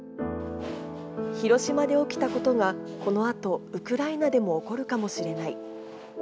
広島で起きたことが、このあとウクライナでも起こるかもしれない。